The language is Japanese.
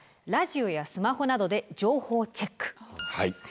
「ラジオやスマホなどで情報チェック」。